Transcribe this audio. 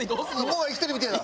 芋が生きてるみてえだ！